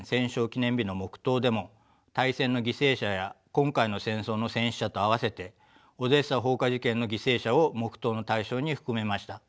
記念日の黙とうでも大戦の犠牲者や今回の戦争の戦死者と合わせてオデーサ放火事件の犠牲者を黙とうの対象に含めました。